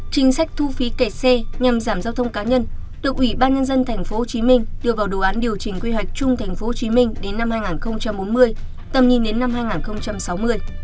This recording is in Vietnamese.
chính sách thu phí kể c nhằm giảm giao thông cá nhân được ủy ban nhân dân tp hcm đưa vào đồ án điều chỉnh quy hoạch chung tp hcm đến năm hai nghìn bốn mươi tầm nhìn đến năm hai nghìn sáu mươi